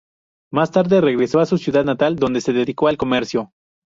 Más tarde regresó a su ciudad natal, donde se dedicó al comercio.